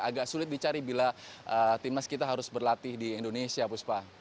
agak sulit dicari bila tim nas kita harus berlatih di indonesia